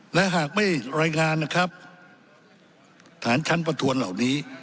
และหากไม่รายงานนะครับฐานชั้นประทวนเหล่านี้